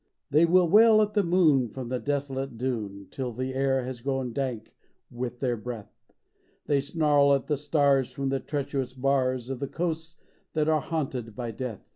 They wail at the moon from the desolate dune Till the air has grown dank with their breath ; They snarl at the stars from the treacherous bars Of the coasts that are haunted by Death.